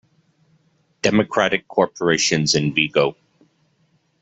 Democratic Corporations in Vigo.